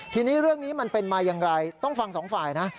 ทีนี้เรื่องนี้มันเป็นมาอย่างไรต้องฟังสองฝ่ายนะ